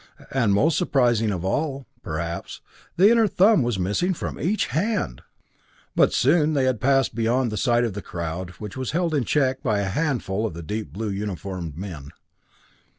And most surprising of all, perhaps, the inner thumb was missing from each hand! But soon they had passed beyond the sight of the crowd, which was held in check by a handful of the deep blue uniformed men.